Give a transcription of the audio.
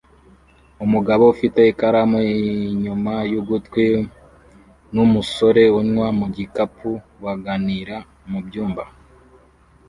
Umugabo ufite ikaramu inyuma yugutwi numusore unywa mugikapu baganira mubyumba